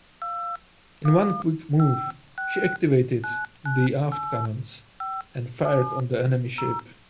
In one quick move, she activated the aft cannons and fired on the enemy ship.